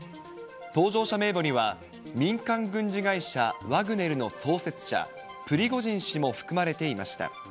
搭乗者名簿には、民間軍事会社、ワグネルの創設者、プリゴジン氏も含まれていました。